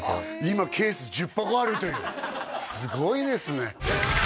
今ケース１０箱あるというすごいですね